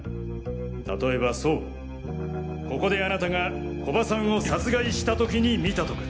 例えばそうここであなたが古葉さんを殺害した時に見たとか。